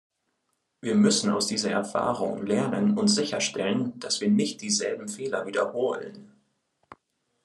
Wir müssen aus dieser Erfahrung lernen und sicherstellen, dass wir nicht dieselben Fehler wiederholen.